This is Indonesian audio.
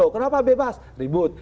kenapa bebas ribut